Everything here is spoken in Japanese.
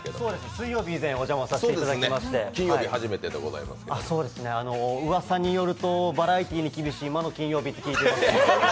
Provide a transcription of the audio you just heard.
水曜日、以前お邪魔させていただきましてうわさによるとバラエティーに厳しい魔の金曜日と聞いています。